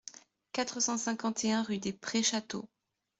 quatre cent cinquante et un rue des Prés Château